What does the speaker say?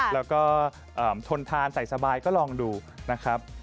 แล้วก็ทนทานใส่สบายก็ลองดูนะครับ